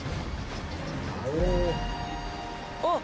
あっ！